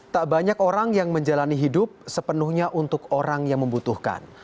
tak banyak orang yang menjalani hidup sepenuhnya untuk orang yang membutuhkan